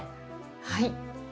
はい。